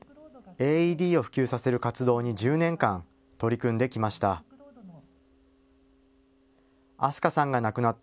ＡＥＤを普及させる活動に１０年間、取り組んできました。